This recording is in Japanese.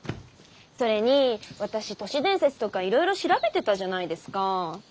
それに私都市伝説とかいろいろ調べてたじゃないですかァー。